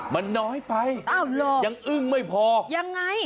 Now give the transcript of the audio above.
มันน้อยไปอ้าวเหรอยังอึ้งไม่พอยังไง